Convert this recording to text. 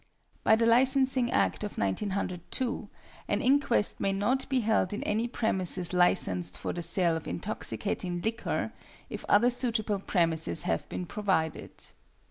By the Licensing Act of 1902, an inquest may not be held in any premises licensed for the sale of intoxicating liquor if other suitable premises have been provided.